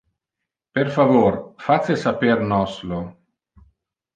Per favor face saper nos lo.